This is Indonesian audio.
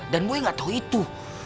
dan boy gak tau itu